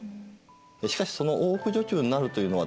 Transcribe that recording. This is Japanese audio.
しかしその大奥女中になるというのはですね